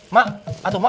ma atuh ma